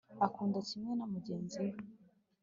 Akunda kimwe na mugenzi we